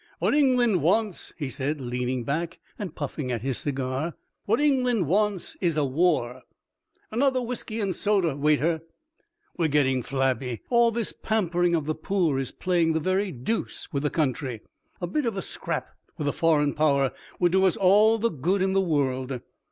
"What England wants," he said, leaning back and puffing at his cigar, "what England wants is a war. (Another whisky and soda, waiter.) We're getting flabby. All this pampering of the poor is playing the very deuce with the country. A bit of a scrap with a foreign power would do us all the good in the world."